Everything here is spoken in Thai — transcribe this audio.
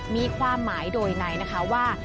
มีความหมายโดยในนะคะว่า